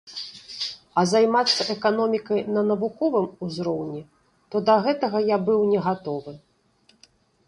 А займацца эканомікай на навуковым узроўні, то да гэтага я быў негатовы.